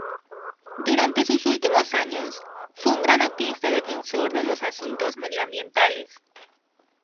Durante sus últimos años, fue un gran activista defensor de los asuntos medioambientales.